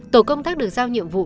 tổ công tác được giao nhiệm vụ